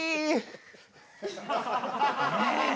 ねえ。